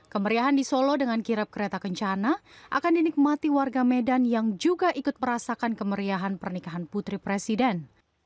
kemeriahan di solo dengan kirap kereta kencana akan dinikmati warga medan yang juga ikut merasakan kemeriahan pernikahan putri presiden